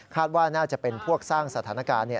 ว่าน่าจะเป็นพวกสร้างสถานการณ์